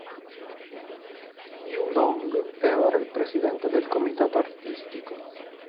Yu Long è ora il presidente del comitato artistico.